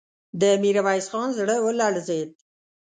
د ميرويس خان زړه ولړزېد.